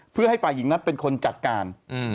เพื่อให้ฝ่ายหญิงนั้นเป็นคนจัดการ